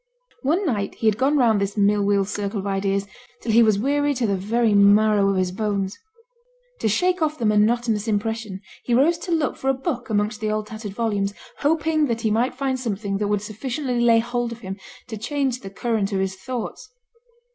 One night he had gone round this mill wheel circle of ideas till he was weary to the very marrow of his bones. To shake off the monotonous impression he rose to look for a book amongst the old tattered volumes, hoping that he might find something that would sufficiently lay hold of him to change the current of his thoughts.